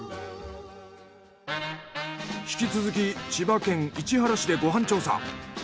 引き続き千葉県市原市でご飯調査。